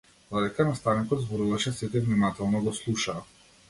Додека наставникот зборуваше сите внимателно го слушаа.